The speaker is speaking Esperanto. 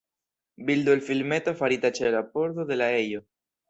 Bildo el filmeto farita ĉe la pordo de la ejo.